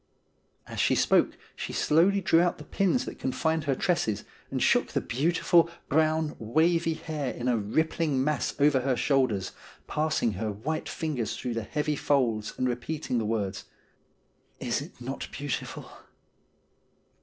As she spoke she slowly drew out the pins that confined her tresses, and shook the beautiful, brown, wavy hair in a rippling mass over her shoulders, passing her white fingers through the heavy folds and repeating the words :' Is it not beautiful